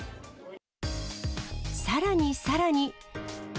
さらにさらに。